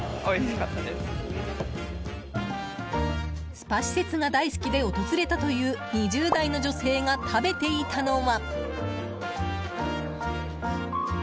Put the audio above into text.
スパ施設が大好きで訪れたという２０代の女性が食べていたのは。